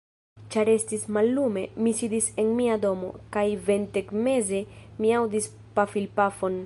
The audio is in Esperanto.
Ĉar estis mallume, mi sidis en mia domo, kaj ventegmeze mi aŭdis pafilpafon.